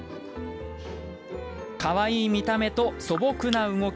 かわいい見た目と素朴な動き